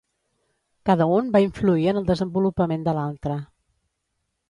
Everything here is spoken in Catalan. Cada un va influir en el desenvolupament de l'altre.